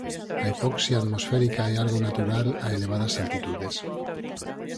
A hipoxia atmosférica é algo natural a elevadas altitudes.